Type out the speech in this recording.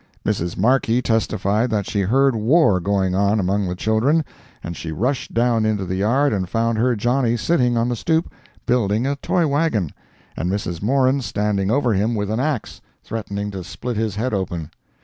Mrs. Markee testified that she heard war going on among the children, and she rushed down into the yard and found her Johnny sitting on the stoop, building a toy wagon, and Mrs. Moran standing over him with an axe, threatening to split his head open.